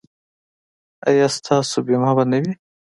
ایا ستاسو بیمه به نه وي؟